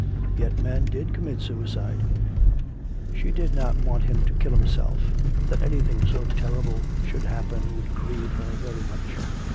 Yet men did commit suicide.... She did not want him to kill himself, that anything so terrible should happen would grieve her very much.